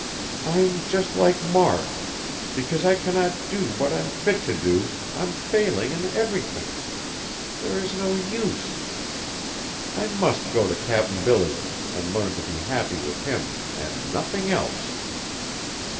"I'm just like Mark. Because I cannot do what I'm fit to do, I'm failing in everything. There is no use! I must go to Cap'n Billy, and learn to be happy with him and nothing else!"